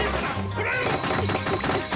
捕らえろ！